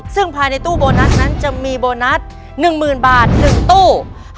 ซึ่งภายในตู้โบนัสนั้นจะมีโบนัส๑๐๐๐บาท๑ตู้